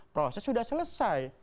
proses sudah selesai